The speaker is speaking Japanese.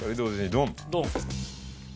ドン！